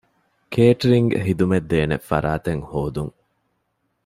ކޭޓްރިންގ ޚިދުމަތްދޭނެ ފަރާތެއް ހޯދުން